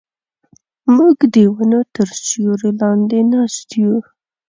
موږ د ونو تر سیوري لاندې ناست یو.